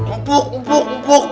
empuk empuk empuk